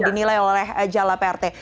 dinilai oleh jala prt